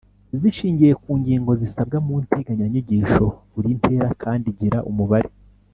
zishingiye ku ngingo zisabwa mu nteganyanyigisho. Buri ntera kandi igira umubare